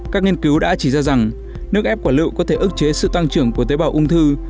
các nghiên cứu đã chỉ ra rằng nước ép quả lựu có thể ức chế sự tăng trưởng của tế bào ung thư